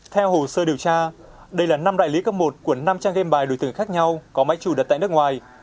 theo hồ sơ điều tra đây là năm đại lý cấp một của năm trang gam bài đối tưởng khác nhau có máy chủ đặt tại nước ngoài